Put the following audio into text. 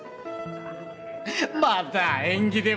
また縁起でもない。